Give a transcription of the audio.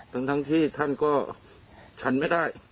ทั้งที่ท่านก็ฉันไม่ได้